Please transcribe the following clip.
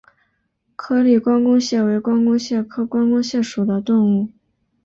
颗粒关公蟹为关公蟹科关公蟹属的动物。